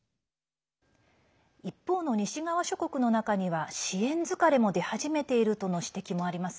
一方の西側諸国の中には支援疲れも出始めているとの指摘もあります。